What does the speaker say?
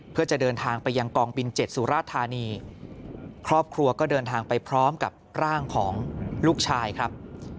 เพื่อจะเดินทางไปยังกองบินเจ็ดสุราธานีครอบครัวก็เดินทางไปพร้อมกับร่างของลูกชายครับ